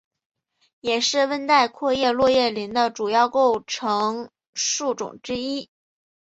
也是温带阔叶落叶林的主要构成树种之一。